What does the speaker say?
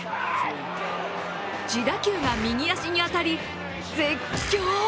自打球が右足に当たり絶叫。